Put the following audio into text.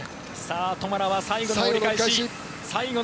トマラは最後の折り返し。